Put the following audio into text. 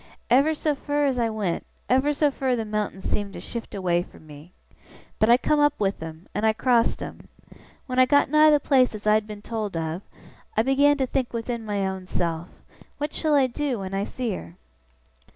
Ever so fur as I went, ever so fur the mountains seemed to shift away from me. But I come up with 'em, and I crossed 'em. When I got nigh the place as I had been told of, I began to think within my own self, "What shall I do when I see her?"